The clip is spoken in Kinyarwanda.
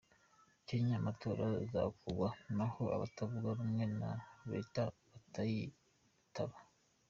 Kenya: Amatora azokogwa naho abatavuga rumwe na Leta batoyitaba.